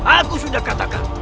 aku sudah katakan